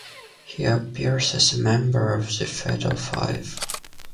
He appears as a member of the Fatal Five.